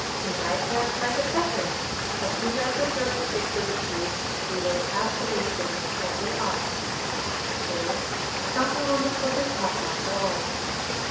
You might perhaps like it better, but since I prefer to stick to the truth, we will have to leave things as they are. Still, something wonderful did happen after all.